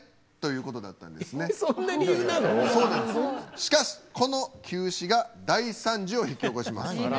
しかしこの休止が大惨事を引き起こします。